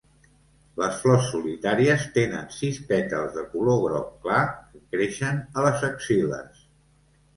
Les flors solitàries tenen sis pètals de color groc clar que creixen a les axil·les.